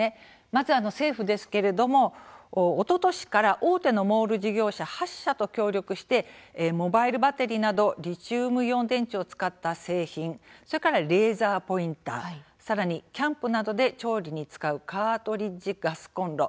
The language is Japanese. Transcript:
まず政府ですけれどもおととしから大手のモール事業者８社と協力してモバイルバッテリーなどリチウムイオン電池を使った製品、それからレーザーポインターさらにキャンプなどで調理に使うカートリッジガスコンロ。